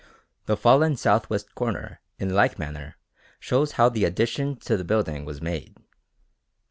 The fallen south west corner in like manner shows how the addition to the building was made.